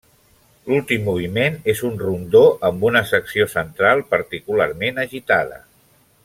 L'últim moviment és un rondó amb una secció central particularment agitada.